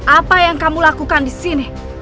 apa yang kamu lakukan di sini